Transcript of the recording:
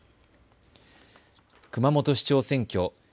熊本市長選挙。